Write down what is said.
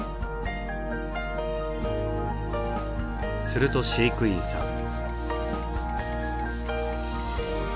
すると飼育員さん。